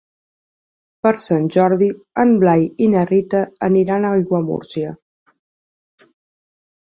Per Sant Jordi en Blai i na Rita aniran a Aiguamúrcia.